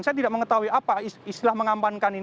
saya tidak mengetahui apa istilah mengamankan ini